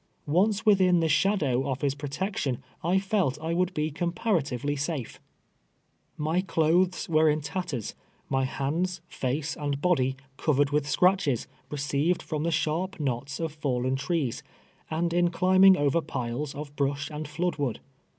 Once within the shadow of his pro tection, I felt I would be comparatively safe. ]\[y cli>thes wi're in tatters, my hands, lace, and body covered with scratches, received from the sharp knots of fallen trees, and in climbing over piles of brnsh and iloodwood.